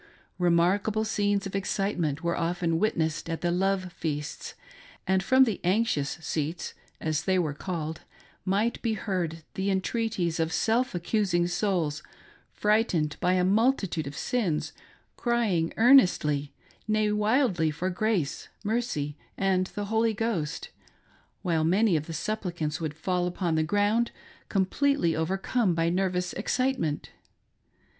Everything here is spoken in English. Remarkable scenes of excitement were often witnessed at the " love feasts ;" and from the " anxious seats," as they were called, might be heard, the entreaties of self accusing souls, frightened by a multitude of sins, crying earnestly, nay, wildly, for grace, mercy, and the Holy Ghost,' while many of the supplicants would fall upon the ground, completely overcome by nervous excitement.